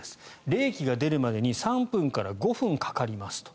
冷気が出るまでに３分から５分かかりますと。